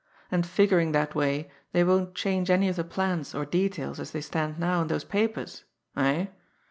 And figuring that way they won't change any of the plans or details as they stand now in those papers eh?